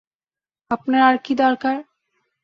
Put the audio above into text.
আপনার আর কী দরকার?